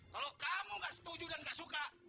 kalau kamu gak setuju dan nggak suka